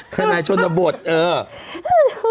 ทนายชนบทเออ